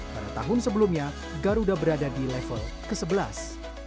pada tahun sebelumnya garuda berada di level ke sebelas